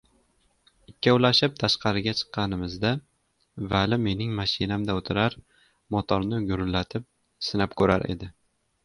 Ikkovlashib tashqariga chiqqanimizda Vali mening mashinamda o‘tirar, motorni gurillatib sinab ko‘rar edi.